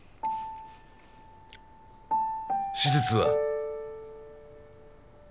手術は？